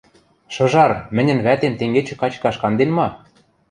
— Шыжар, мӹньӹн вӓтем тенгечӹ качкаш канден ма?